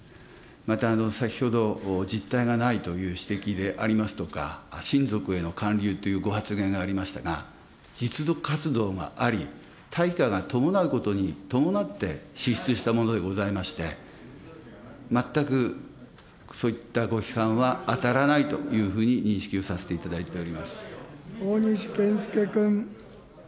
また先ほど、実体がないという指摘でありますとか、親族への還流というご発言がありましたが、実務活動があり、対価が伴うことに伴って支出したものでございまして、全くそういったご批判は当たらないというふうに認識をさせていた大西健介君。